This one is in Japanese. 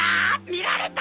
見られた！